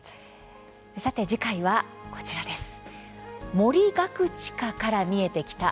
さて次回は、こちらです。